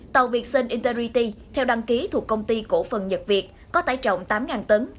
tàu việt sun integrity theo đăng ký thuộc công ty cổ phần nhật việt có tải trọng tám tấn